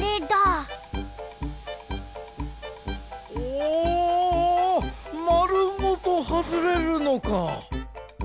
おまるごとはずれるのか。